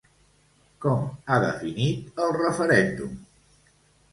Com ha definit el referèndum?